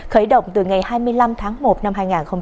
khởi động từ ngày hai mươi năm tháng một năm hai nghìn hai mươi